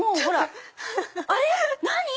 あれ何⁉